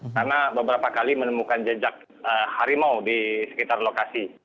karena beberapa kali menemukan jejak harimau di sekitar lokasi